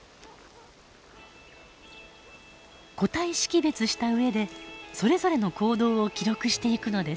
個体識別した上でそれぞれの行動を記録していくのです。